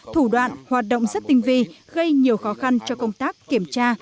thủ đoạn hoạt động rất tinh vi gây nhiều khó khăn cho công tác kiểm tra